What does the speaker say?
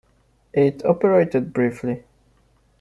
It operated briefly.